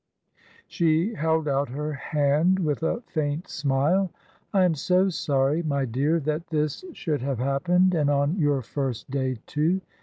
She held out her hand with a faint smile. "I am so sorry, my dear, that this should have happened, and on your first day, too!